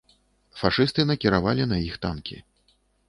Фашысты накіравалі на іх танкі.